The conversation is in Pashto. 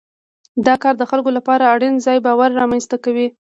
دا کار د خلکو لپاره اړین ځان باور رامنځته کوي.